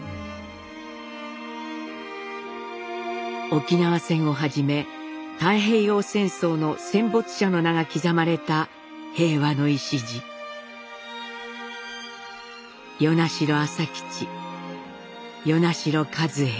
沖縄戦をはじめ太平洋戦争の戦没者の名が刻まれた「與那城朝吉與那城カズエ」。